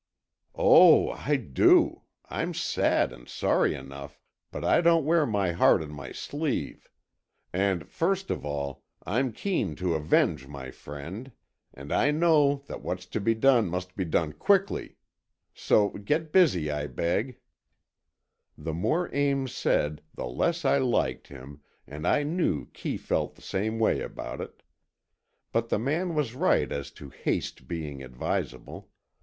"Oh, I do. I'm sad and sorry enough, but I don't wear my heart on my sleeve. And first of all, I'm keen to avenge my friend. And I know that what's to be done must be done quickly. So, get busy, I beg." The more Ames said, the less I liked him, and I knew Kee felt the same way about it. But the man was right as to haste being advisable.